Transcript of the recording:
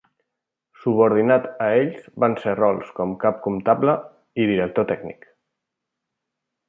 Subordinat a ells van ser rols com "cap comptable" i "director tècnic".